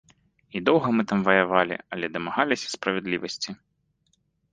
І доўга мы там ваявалі, але дамагаліся справядлівасці.